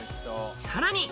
さらに。